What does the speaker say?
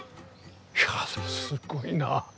いやそれすごいな。